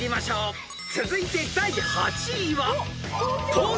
［続いて第８位は］